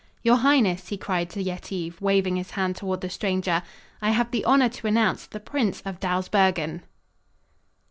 "Your highness," he cried to Yetive, waving his hand toward the stranger, "I have the honor to announce the Prince of Dawsbergen."